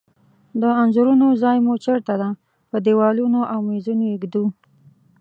د انځورونو ځای مو چیرته ده؟ په دیوالونو او میزونو یی ایږدو